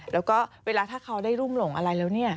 แล้วก็เวลาถ้าเขาได้รุ่มหลงอะไรแล้วเนี่ย